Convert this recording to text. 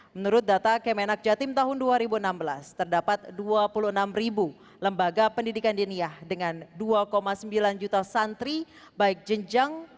menurut data kemenak jatim tahun dua ribu enam belas terdapat dua puluh enam ribu lembaga pendidikan diniah dengan dua sembilan juta santri baik jenjang